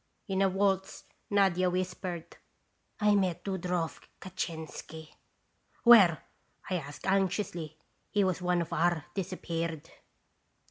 In a waltz Nadia whispered :" 'I met Dudorov Katchenski.' " 'Where?' I asked anxiously; he was one of our 'disappeared.'